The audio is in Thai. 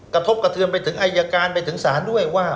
กระทบกระเทือนไปถึงอายการไปถึงศาลด้วยว่า